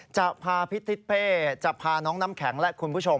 จะพาพี่ทิศเป้จะพาน้องน้ำแข็งและคุณผู้ชม